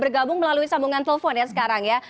bergabung melalui sambungan telepon ya sekarang ya